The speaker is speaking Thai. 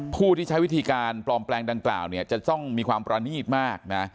ผู้ที่ใช้วิธีการปลอมแปลงดังกล่าวเนี่ยจะต้องมีความประนีตมากนะ